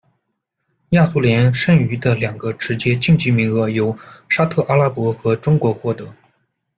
亚足联剩余的两个直接晋级名额由沙特阿拉伯和中国获得。